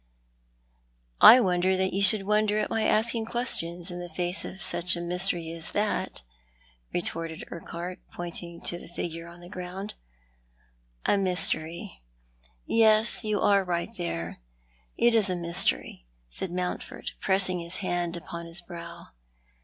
I 1 1 4 Thou art the Man. " I wonder tliab you should wonder at my asking questions in the face of such a mystery as that," retorted Urquhart, pointing to the figure on the ground. " A mystery. Yes, you are right there. It is a mystery," said Mountford, pressing his hand upon his brow.